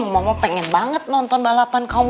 mama pengen banget nonton balapan kaum